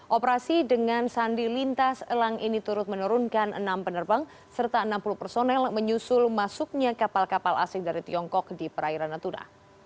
operasi dengan sandi lintas elang ini turut menurunkan enam penerbang serta enam puluh personel menyusul masuknya kapal kapal asing dari tiongkok di perairan natuna